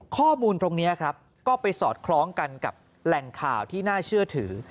ข้อมูลตรงนี้ครับก็ไปสอดคล้องกันกับแหล่งข่าวที่น่าเชื่อถือ